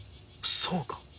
そうか。